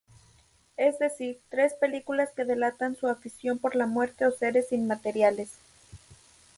Es decir, tres películas que delatan su afición por la muerte o seres inmateriales.